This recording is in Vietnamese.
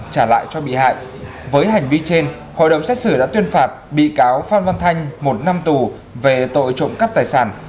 trả lại cho bị hại với hành vi trên hội đồng xét xử đã tuyên phạt bị cáo phan văn thanh một năm tù về tội trộm cắp tài sản